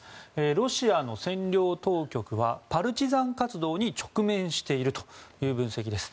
ロシアの占領当局はパルチザン活動に直面しているという分析です。